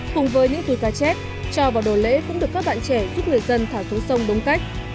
cùng với những túi cá chép cho vào đồ lễ cũng được các bạn trẻ giúp người dân thả xuống sông đúng cách